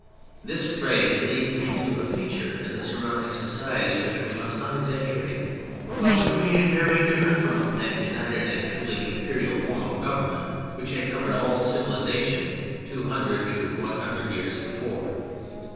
This phrase leads me to a feature in the surrounding society which we must not exaggerate, but which made it very different from that united and truly "Imperial" form of government which had covered all civilization two hundred to one hundred years before.